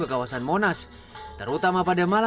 pengalaman di jakarta tanggiminya